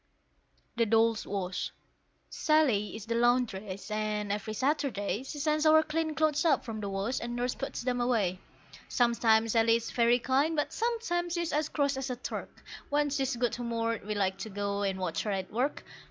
THE DOLLS' WASH. Sally is the laundress, and every Saturday She sends our clean clothes up from the wash, and Nurse puts them away. Sometimes Sally is very kind, but sometimes she's as cross as a Turk; When she's good humoured we like to go and watch her at work.